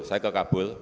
saya ke kabul